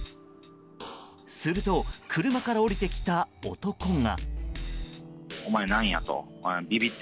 すると、車から降りてきた男が。